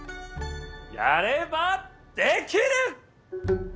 やればできる！